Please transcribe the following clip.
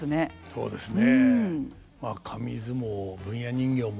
そうですね。